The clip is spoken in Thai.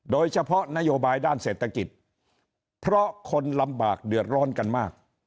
โดยเฉพาะนโยบายด้านเศรษฐกิจเพราะคนลำบากเดือดร้อนกันมาก